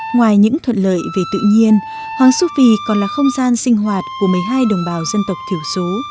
ngoài những thuận lợi về tự nhiên hoàng su phi còn là không gian sinh hoạt của một mươi hai đồng bào dân tộc thiểu số